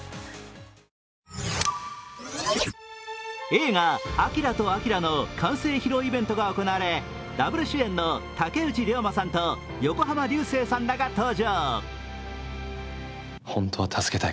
映画「アキラとあきら」の完成披露イベントが行われダブル主演の竹内涼真さんと横浜流星さんらが登場。